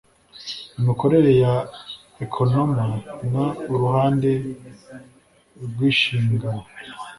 imikorere ya ekonoma n urutonde rw inshingano